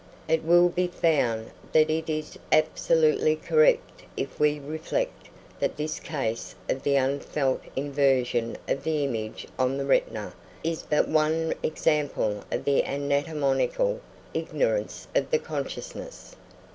It will be found that it is absolutely correct if we reflect that this case of the unfelt inversion of the image on the retina is but one example of the anatomical ignorance of the consciousness.